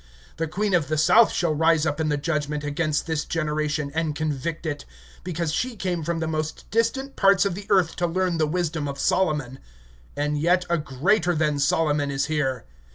(42)A queen of the south will rise up in the judgment with this generation, and will condemn it; for she came from the utmost parts of the earth to hear the wisdom of Solomon, and behold, a greater than Solomon is here.